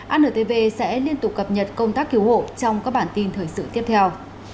antv sẽ liên tục cập nhật công tác cứu hộ trong các bản tin thời sự tiếp theo